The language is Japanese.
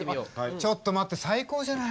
ちょっと待って最高じゃない。